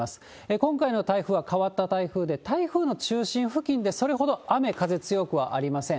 今回の台風は変わった台風で、台風の中心付近でそれほど雨風強くはありません。